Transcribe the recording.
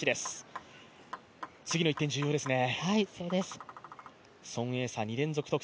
次の１点、重要ですね。